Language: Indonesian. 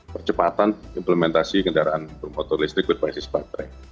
percepatan implementasi kendaraan bermotor listrik berbasis baterai